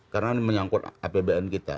karena menyangkut apbn kita